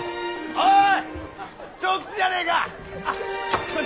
おい！